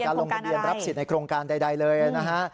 ลงทะเบียนรับสิทธิ์ในโครงการใดเลยนะฮะ